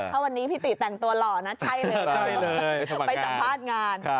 ถ้าวันนี้พี่ติแต่งตัวหล่อนะใช่เลยไปสัมภาษณ์งาน